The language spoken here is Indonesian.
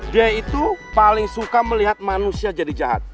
dia itu paling suka melihat manusia jadi jahat